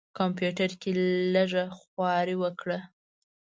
کمپیوټر کې یې لږه خواري وکړه.